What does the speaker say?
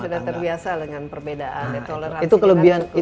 jadi sudah terbiasa dengan perbedaan dan toleransi